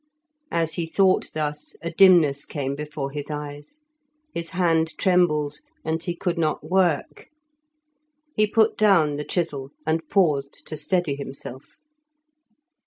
As he thought thus a dimness came before his eyes; his hand trembled, and he could not work. He put down the chisel, and paused to steady himself.